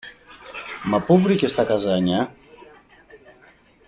Μα πού βρήκες τα καζάνια;